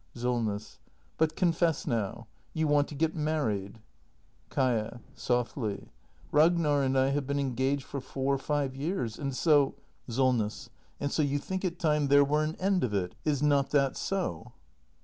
Solness. But confess now — you want to get married! Kaia. [Softly.] Ragnar and I have been engaged for four or five years, and so Solness. And so you think it time there were an end of it. Is not that so